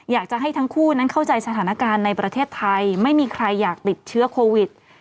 อยากจะให้ทั้งคู่นั้นเข้าใจสถานการณ์ในประเทศไทยไม่มีใครอยากติดเชื้อโควิด